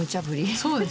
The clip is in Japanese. そうです。